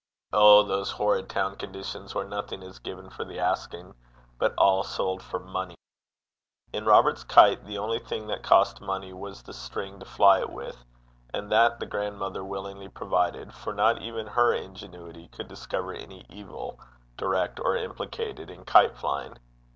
Oh! those horrid town conditions, where nothing is given for the asking, but all sold for money! In Robert's kite the only thing that cost money was the string to fly it with, and that the grandmother willingly provided, for not even her ingenuity could discover any evil, direct or implicated, in kite flying.